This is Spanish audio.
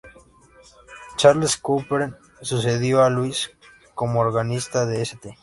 Charles Couperin sucedió a Louis como organista de St.